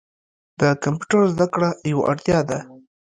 د کمپیوټر زده کړه یوه اړتیا ده.